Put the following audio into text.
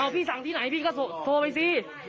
พี่สั่งที่ไหนพี่ก็โทรไปสิ